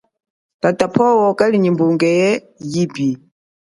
Tata powa kali nyi mbunge ipi.